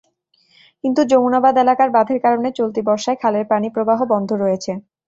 কিন্তু যমুনাবাদ এলাকার বাঁধের কারণে চলতি বর্ষায় খালে পানিপ্রবাহ বন্ধ রয়েছে।